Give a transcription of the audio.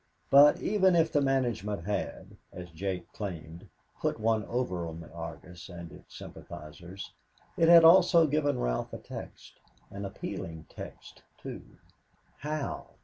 But, even if the management had, as Jake claimed, "put one over" on the Argus and its sympathizers, it had also given Ralph a text an appealing text, too. "How?